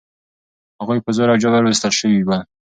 هغوی په زور او جبر ویستل شوي ول.